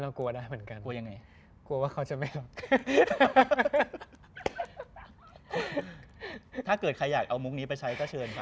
เรื่องแบบฆ่ากันตาย